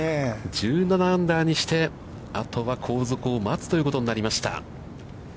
１７アンダーにして、あとは後続を待つということになりました。